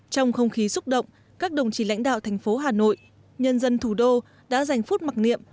trong không khí xúc động các đồng chí lãnh đạo thành phố hà nội nhân dân thủ đô đã dành phút mặc niệm